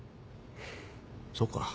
そうか。